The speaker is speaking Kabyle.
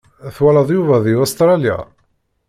Twalaḍ Yuba di Ustralya?